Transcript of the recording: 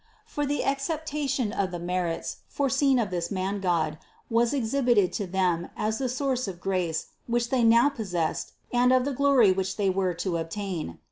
For the acceptation of the merits foreseen of this Mangod was exhibited to them as the source of the grace which they now possessed and of the glory which they were to obtain.